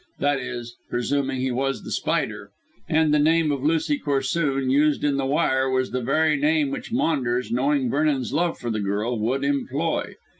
That is, presuming he was The Spider; and the name of Lucy Corsoon used in the wire was the very name which Maunders, knowing Vernon's love for the girl, would employ.